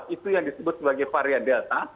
itu yang disebut sebagai varian delta